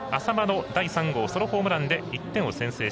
淺間の第３号ソロホームランで１点先制。